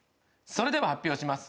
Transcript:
それでは発表します。